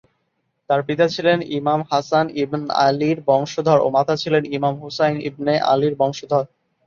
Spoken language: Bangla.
তার পিতা ছিলেন ইমাম হাসান ইবন আলীর বংশধর ও মাতা ছিলেন ইমাম হোসাইন ইবনে আলীর বংশধর।